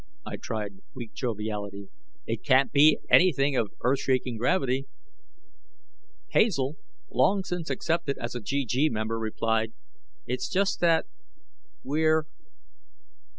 I tried weak joviality: "It can't be anything of earth shaking gravity." Hazel, long since accepted as a GG member, replied, "It's just that we're